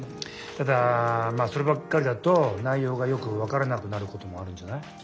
ただまあそればっかりだと内ようがよくわからなくなることもあるんじゃない？